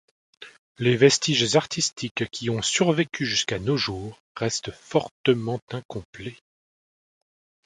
Les vestiges artistiques qui ont survécu jusqu'à nos jours, restent fortement incomplets.